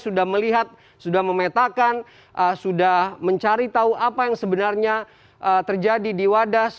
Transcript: sudah melihat sudah memetakan sudah mencari tahu apa yang sebenarnya terjadi di wadas